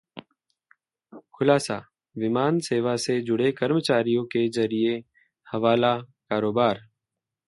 खुलासाः विमान सेवा से जुड़े कर्मचारियों के जरिए हवाला कारोबार